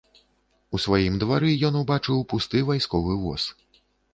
У сваім двары ён убачыў пусты вайсковы воз.